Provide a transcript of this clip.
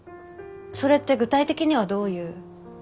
それって具体的にはどういう。